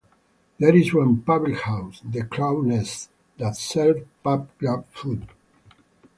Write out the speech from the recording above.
There is one public house, 'The Crow's Nest', that serves 'pub-grub' food.